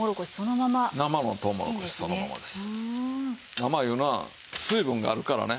生いうのは水分があるからね。